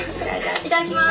いただきます！